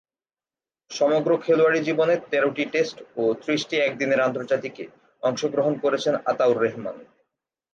সমগ্র খেলোয়াড়ী জীবনে তেরোটি টেস্ট ও ত্রিশটি একদিনের আন্তর্জাতিকে অংশগ্রহণ করেছেন আতা-উর-রেহমান।